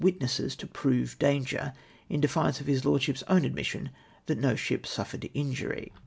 witnesses to j/rovc (lunger — in defiance of his Lord ship's own admission that no ,'^hip suffered injury